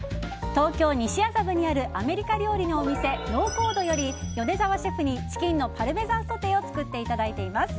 東京・西麻布にあるアメリカ料理のお店チキンのパルメザンソテーを作っていただいています。